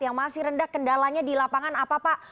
yang masih rendah kendalanya di lapangan apa pak